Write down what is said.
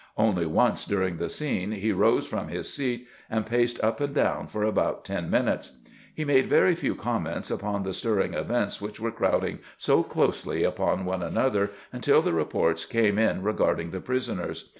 Only once during the scene he rose from his seat and paced up and down for about ten minutes. He made very few com ments upon the stirring events which were crowding so closely upon one another until the reports came in re garding the prisoners.